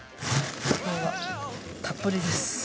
たっぷりです。